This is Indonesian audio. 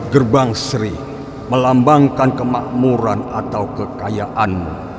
gerbang seri melambangkan kemakmuran atau kekayaanmu